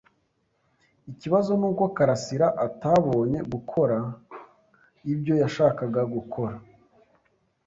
Ikibazo nuko karasira atabonye gukora ibyo yashakaga gukora.